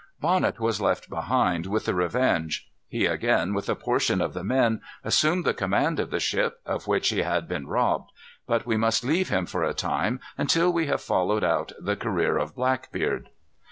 Bonnet was left behind, with the Revenge. He again, with a portion of the men, assumed the command of the ship, of which he had been robbed. But we must leave him for a time until we have followed out the career of Blackbeard.